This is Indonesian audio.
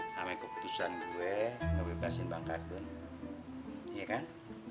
sama keputusan gue ngebebasin bang kardun iya kan